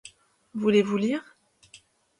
Voulez-vous lire?